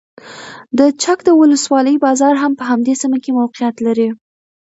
د چک د ولسوالۍ بازار هم په همدې سیمه کې موقعیت لري.